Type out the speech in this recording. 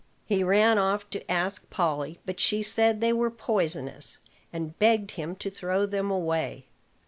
He ran off to ask Polly; but she said they were poisonous, and begged him to throw them away.